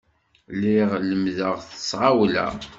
Lliɣ lemmdeɣ s tɣawla.